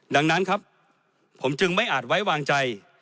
ดังนั้นครับผมจึงไม่อาจไว้วางใจ